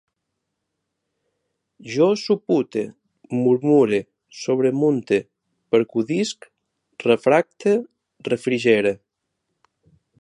Jo supute, murmure, sobremunte, percudisc, refracte, refrigere